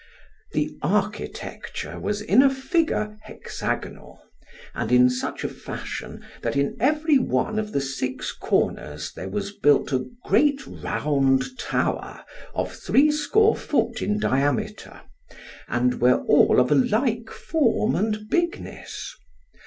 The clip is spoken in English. The architecture was in a figure hexagonal, and in such a fashion that in every one of the six corners there was built a great round tower of threescore foot in diameter, and were all of a like form and bigness.